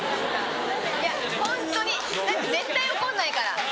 いやホントにだって絶対怒んないから。